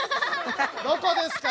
どこですか？